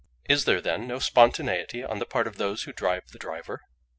"Is there, then, no spontaneity on the part of those who drive the driver?"